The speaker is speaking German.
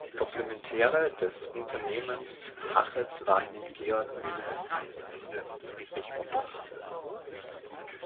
Komplementäre des Unternehmens Hachez waren nun Georg Wilhelm Hans Linde und Friedrich Otto Hasse.